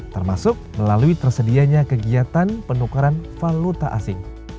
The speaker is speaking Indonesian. termasuk melalui tersedianya kegiatan penukaran valuta asing